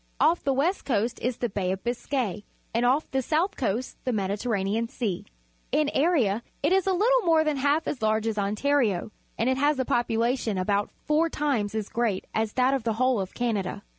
Off the west coast is the Baij of Biscay, and off the south coast the Mediterranean Sea. In area it is a httle more than h alf as large as Ontari o, and it has a population about four times as great as that of the whole of Canada.